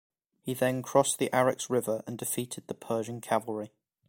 He then crossed the Araks River and defeated the Persian cavalry.